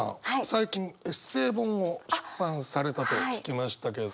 最近エッセイ本を出版されたと聞きましたけど。